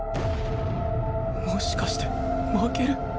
もしかして負ける？